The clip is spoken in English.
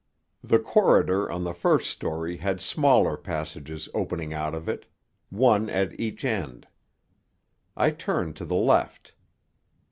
The corridor on the first story had smaller passages opening out of it one at each end. I turned to the left.